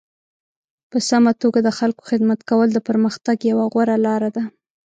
په سمه توګه د خلکو خدمت کول د پرمختګ یوه غوره لاره ده.